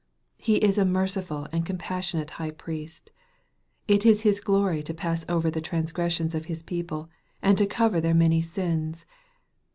He is a merciful and compassionate High priest. It is His glory to pass over the transgressions of His people, and to cover their many sins.